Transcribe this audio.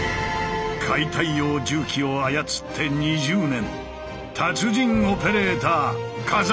解体用重機を操って２０年。